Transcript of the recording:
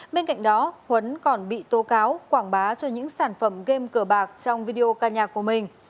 bên cạnh đó huấn còn bị tố cáo quảng bá cho những sản phẩm game cờ bạc trong video ca nhạc của mình